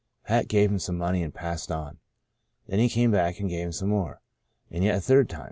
Pat gave him some money and passed on. Then he came back and gave him some more — and yet a third time.